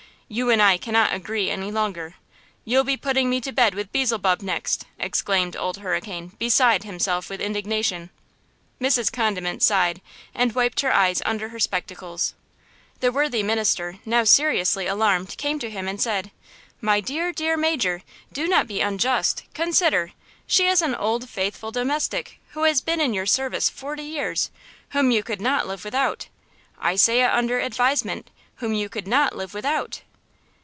You and I cannot agree any longer. You'll be putting me to bed with Beelzebub next! exclaimed Old Hurricane, besides himself with indignation. Mrs. Condiment sighed and wiped her eyes under her spectacles. The worthy minister, now seriously alarmed, came to him and said: "My dear, dear major, do not be unjust–consider. She is an old faithful domestic, who has been in your service forty years–whom you could not live without! I say it under advisement–whom you could not live without!"